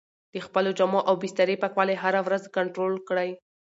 د خپلو جامو او بسترې پاکوالی هره ورځ کنټرول کړئ.